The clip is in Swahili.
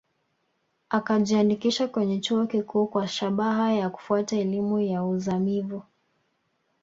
Akajiandikisha kwenye chuo kikuu kwa shabaha ya kufuata elimu ya uzamivu